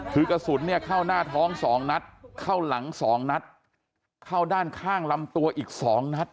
คือกระสุนเนี่ยเข้าหน้าท้อง๒นัดเข้าหลัง๒นัดเข้าด้านข้างลำตัวอีก๒นัด